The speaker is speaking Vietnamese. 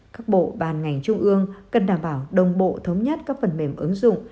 các bộ ban ngành trung ương cần đảm bảo đồng bộ thống nhất các phần mềm ứng dụng